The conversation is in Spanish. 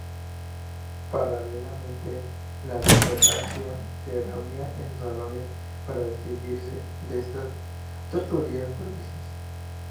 Paralelamente la aristocracia se reunía en sus "salones" para distinguirse de esas tertulias burguesas.